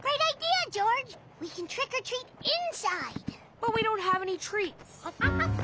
ホハハハ。